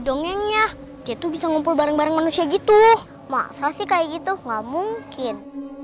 dongengnya gitu bisa ngumpul bareng bareng manusia gitu masa sih kayak gitu nggak mungkin